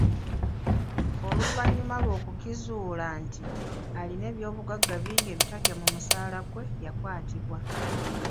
Oluvannyuma lw'okukizuula nti alina eby'obugagga bingi ebitagya mu musaala gwe, yakwatibwa.